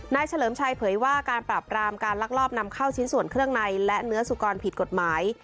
เฉลิมชัยเผยว่าการปราบรามการลักลอบนำเข้าชิ้นส่วนเครื่องในและเนื้อสุกรผิดกฎหมาย